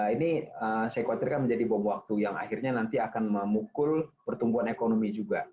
ini saya khawatirkan menjadi bom waktu yang akhirnya nanti akan memukul pertumbuhan ekonomi juga